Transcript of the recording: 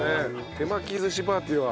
手巻き寿司パーティーは。